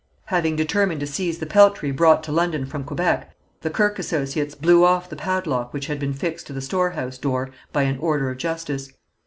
Having determined to seize the peltry brought to London from Quebec, the Kirke associates blew off the padlock which had been fixed to the storehouse door by an order of justice.